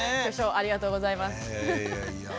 巨匠ありがとうございます。